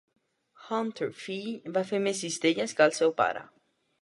Hunter fill va fer més cistelles que el seu pare.